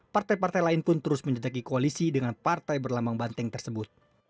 partai partai lain pun terus menjejaki koalisi dengan partai berlambang banteng tersebut